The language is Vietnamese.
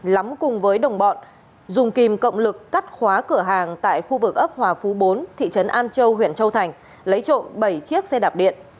lắm cùng với đồng bọn dùng kìm cộng lực cắt khóa cửa hàng tại khu vực ấp hòa phú bốn thị trấn an châu huyện châu thành lấy trộm bảy chiếc xe đạp điện